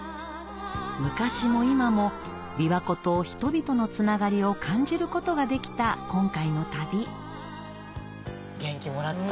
昔も今も琵琶湖と人々のつながりを感じることができた今回の旅元気もらった。